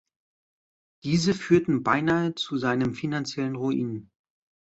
Diese führten beinahe zu seinem finanziellen Ruin.